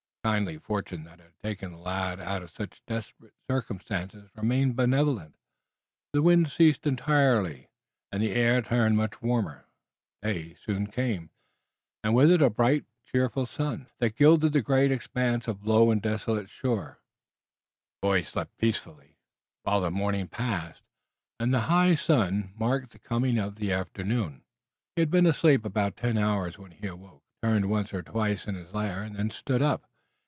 The kindly fortune that had taken the lad out of such desperate circumstances remained benevolent. The wind ceased entirely and the air turned much warmer. Day soon came, and with it a bright cheerful sun, that gilded the great expanse of low and desolate shore. The boy slept peacefully while the morning passed and the high sun marked the coming of the afternoon. He had been asleep about ten hours when he awoke, turned once or twice in his lair and then stood up.